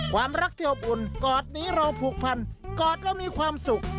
ความรักเที่ยวบุญกอดนี้เราผูกพันกอดเรามีความสุข